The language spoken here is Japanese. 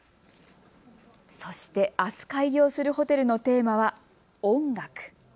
そして、あす開業するホテルのテーマは音楽。